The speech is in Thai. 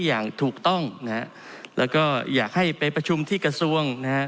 อย่างถูกต้องนะฮะแล้วก็อยากให้ไปประชุมที่กระทรวงนะฮะ